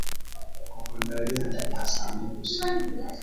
Kwa upande wa redio inatangaza kwa saa mbili kwa siku